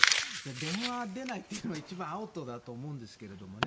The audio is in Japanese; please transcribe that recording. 電話出ないというのは一番アウトだと思うんですけどね。